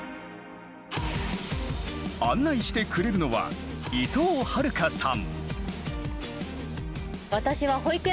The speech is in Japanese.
案内してくれるのは伊藤大佳さん。